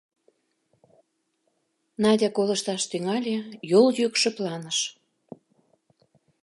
Надя колышташ тӱҥале: йол йӱк шыпланыш.